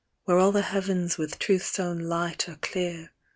Where all the heavens with Truth's own light are clear.